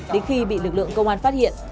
đến khi bị lực lượng công an phát hiện